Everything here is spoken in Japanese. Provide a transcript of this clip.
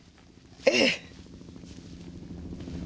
ええ。